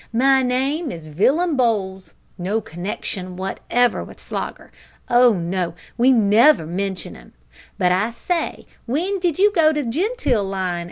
My name is Villum Bowls no connection wotever with Slogger. Oh no! we never mention 'im; but, I say, w'en did you go into the genteel line?